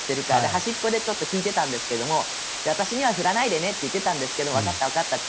端っこでちょっと聞いていたんですけども私には振らないでねと言ってたんですがわかった、わかったって。